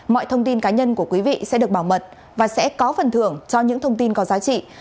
mọi thông tin cá nhân của quý vị sẽ được bảo mật và sẽ có phần thưởng cho những thông tin có giá trị